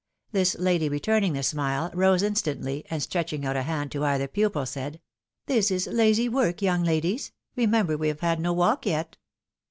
This lady returning tlie smile, rose instantly, and, stretching out a hand to either pupil, said, " This is lazy work, young ladies ; remember, we have had no walk yet."